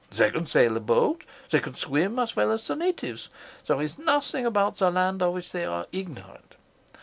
They can sail a boat. They can swim as well as the natives. There is nothing about the land of which they are ignorant.